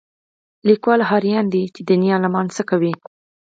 لیکوال حیران دی چې دیني عالمان څه کوي